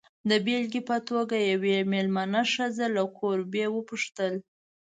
د بېلګې په توګه، یوې مېلمه ښځې له کوربې وپوښتل.